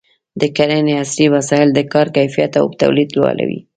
د کرنې عصري وسایل د کار کیفیت او تولید لوړوي.